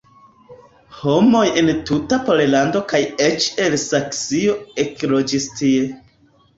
Homoj el tuta Pollando kaj eĉ el Saksio ekloĝis tie.